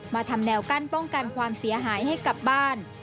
ทำแนวกั้นป้องกันความเสียหายให้กลับบ้าน